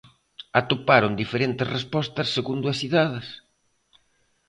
Atoparon diferentes respostas segundo as idades?